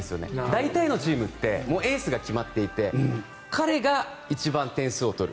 大体のチームってエースが決まっていて彼が一番点数を取る。